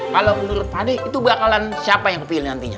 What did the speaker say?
kalau menurut pak de itu bakalan siapa yang kepilihin nantinya